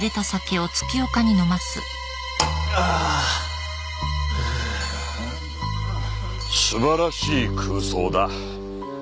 ああー素晴らしい空想だ。